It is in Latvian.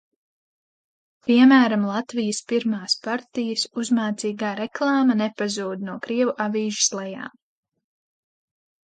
Piemēram, Latvijas Pirmās partijas uzmācīgā reklāma nepazūd no krievu avīžu slejām.